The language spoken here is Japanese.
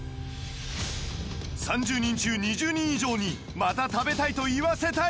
３０人中２０人以上に「また食べたい」と言わせたい